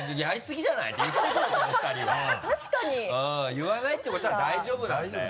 言わないってことは大丈夫なんだよ。